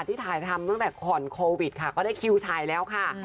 ที่ถ่ายทำตั้งแต่ก่อนโควิดค่ะก็ได้คิวฉายแล้วค่ะ